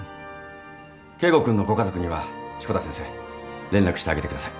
圭吾君のご家族には志子田先生連絡してあげてください。